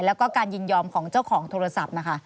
แล้วก็การยินยอมของเจ้าของโทรศัพท์นะคะ